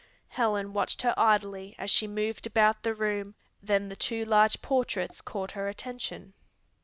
Helen watched her idly as she moved about the room, then the two large portraits caught her attention.